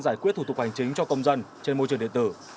giải quyết thủ tục hành chính cho công dân trên môi trường điện tử